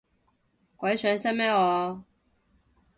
鬼上身咩我